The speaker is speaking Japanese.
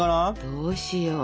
どうしよう。